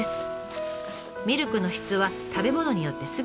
ミルクの質は食べ物によってすぐ変わります。